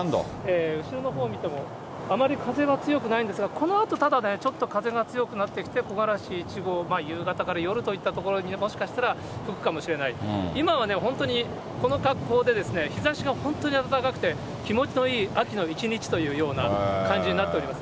後ろのほうを見ても、あまり風は強くないんですが、このあと、ただね、風が強くなってきて、木枯らし１号、まあ、夕方から夜といったところにもしかしたら吹くしが本当に暖かくて、気持ちのいい秋の一日というような感じになっております。